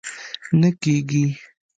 نه کېږي!